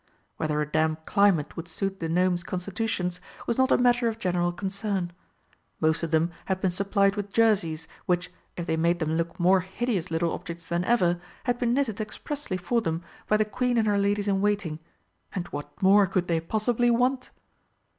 Whether a damp climate would suit the Gnomes' constitutions was not a matter of general concern. Most of them had been supplied with jerseys, which, if they made them look more hideous little objects than ever, had been knitted expressly for them by the Queen and her ladies in waiting and what more could they possibly want?